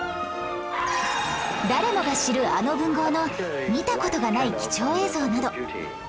誰もが知るあの文豪の見た事がない貴重映像など